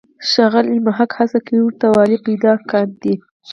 ښاغلی محق هڅه کوي ورته والی پیدا کاندي.